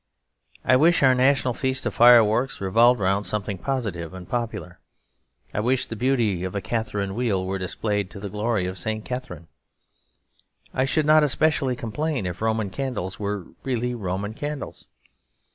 I wish our national feast of fireworks revolved round something positive and popular. I wish the beauty of a Catherine Wheel were displayed to the glory of St. Catherine. I should not especially complain if Roman candles were really Roman candles.